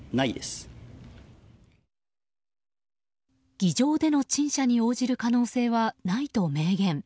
議場での陳謝に応じる可能性はないと明言。